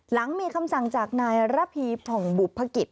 หลังมีคำสั่งจากนายระพีผ่องบุภกิจ